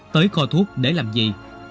tới kho thuốc để làm gì